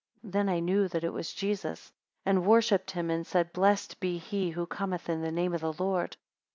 Then I knew that it was Jesus, and worshipped him, and said; Blessed be he who cometh in the name of the Lord.